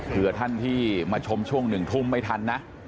เพื่อท่านที่มาชมช่วง๑ทุ่มไม่ทันนะ